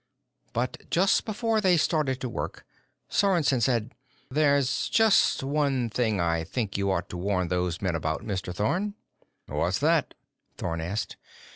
But just before they started to work, Sorensen said: "There's just one thing I think you ought to warn those men about, Mr. Thorn." "What's that?" Thorn asked.